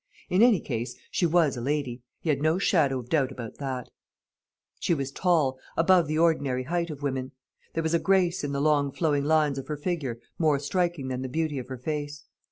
In any case, she was a lady. He had no shadow of doubt about that. She was tall, above the ordinary height of women. There was a grace in the long flowing lines of her figure more striking than the beauty of her face.